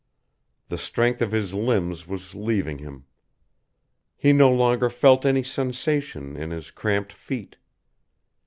The strength of his limbs was leaving him. He no longer felt any sensation in his cramped feet.